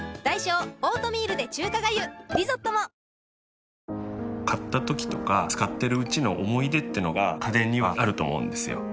さらに、買ったときとか使ってるうちの思い出ってのが家電にはあると思うんですよ。